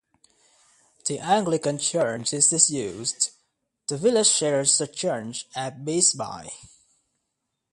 The Anglican church is disused - the village shares the church at Beesby.